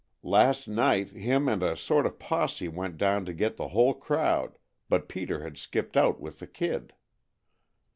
Last night him and a sort of posse went down to get the whole crowd, but Peter had skipped out with the kid."